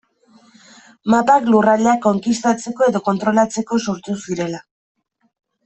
Mapak lurraldeak konkistatzeko edo kontrolatzeko sortu zirela.